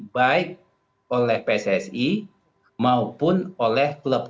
baik oleh pcsi maupun oleh pelaburan